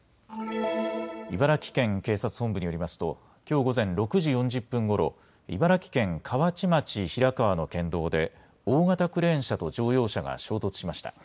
茨城県警察本部によりますときょう午前６時４０分ごろ茨城県河内町平川の県道で大型クレーン車と乗用車が衝突しました。